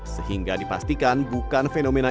sehingga dipastikan bukan fenomena